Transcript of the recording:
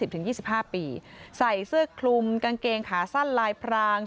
ถึง๒๕ปีใส่เสื้อคลุมกางเกงขาสั้นลายพราง